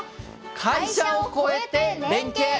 「会社を超えて連携！